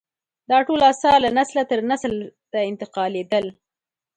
دا ټول اثار له نسله تر نسل ته انتقالېدل.